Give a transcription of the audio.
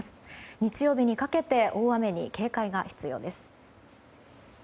日曜日にかけて大雨に警戒が必要です。